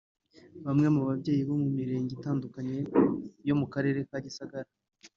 Bamwe mu babyeyi bo mu mirenge itandukanye yo mu karere ka Gisagara